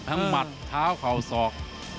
ทั้งหมัดเท้าเข่าศอก